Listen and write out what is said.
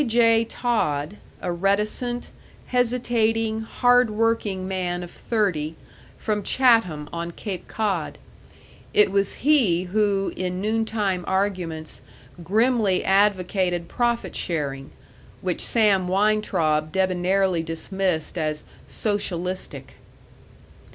J. Todd, a reticent, hesitating, hard working man of thirty, from Chatham on Cape Cod. It was he who, in noon time arguments, grimly advocated profit sharing, which Sam Weintraub debonairly dismissed as "socialistic."